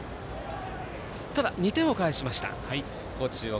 ただ２点を返しました高知中央。